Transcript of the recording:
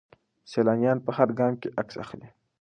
سیلانیان په هر ګام کې عکس اخلي.